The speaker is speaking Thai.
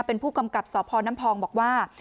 เป็นผู้กำกับสพน้ำพองบอกว่า